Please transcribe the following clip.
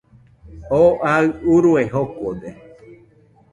Oo aɨ urue jokode